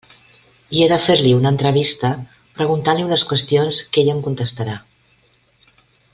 I he de fer-li una entrevista preguntant-li unes qüestions que ell em contestarà.